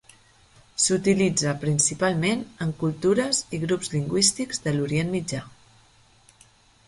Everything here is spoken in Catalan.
S'utilitza principalment en cultures i grups lingüístics de l'Orient Mitjà.